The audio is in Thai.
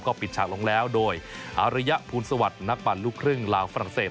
ก็ปิดฉากลงแล้วโดยอาริยภูลสวัสดิ์นักปั่นลูกครึ่งลาวฝรั่งเศส